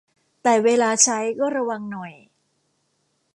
แต่เวลาใช้ก็ระวังหน่อย